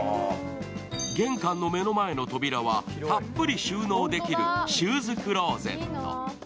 玄関の目の前の扉はたっぷり収納できるシューズクローゼット。